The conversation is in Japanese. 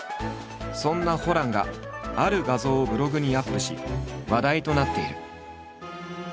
そんなホランがある画像をブログにアップし話題となっている。